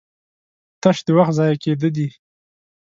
تش د وخت ضايع کېده دي